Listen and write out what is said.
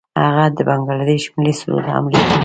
هغه د بنګله دیش ملي سرود هم لیکلی.